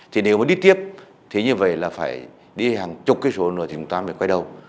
thì nếu mà đi tiếp thì như vậy là phải đi hàng chục cái số nữa thì chúng ta mới quay đầu